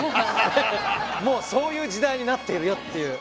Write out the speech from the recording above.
もうそういう時代になっているよっていう。